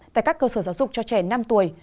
tại các cơ sở giáo dục cho trẻ năm tuổi